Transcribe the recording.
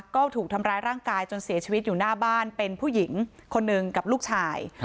ก็ถูกทำร้ายร่างกายจนเสียชีวิตอยู่หน้าบ้านเป็นผู้หญิงคนหนึ่งกับลูกชาย